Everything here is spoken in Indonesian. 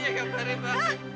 dia kemarin mba tini